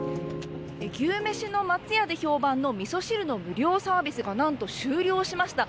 牛めしの松屋で評判のみそ汁の無料サービスが何と終了しました。